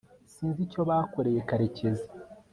sinzi icyo bakoreye karekezi